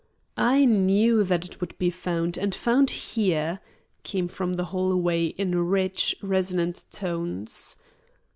"I knew that it would be found, and found here," came from the hallway in rich, resonant tones.